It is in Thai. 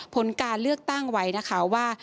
ผลการเลือกตั้งไว้นะคะว่า